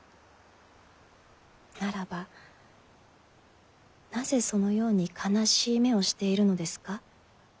ならばなぜそのように悲しい目をしているのですか？